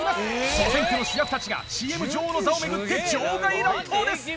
総選挙の主役たちがＣＭ女王の座を巡って場外乱闘です！